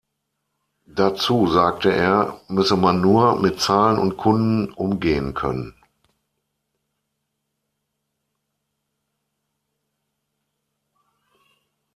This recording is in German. Dazu sagte er, müsse man nur mit Zahlen und Kunden umgehen können.